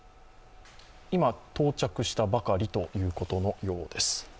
今、到着したばかりということのようです。